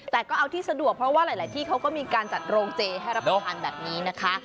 แต่ก็เอาที่สะดวกเพราะว่าหลายที่เขาก็มีการจัดโรงเจให้รับประทานแบบนี้นะคะ